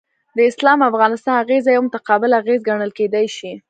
د اسلام او افغانستان اغیزه یو متقابل اغیز ګڼل کیدای شي.